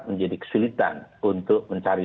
menjadi kesulitan untuk mencari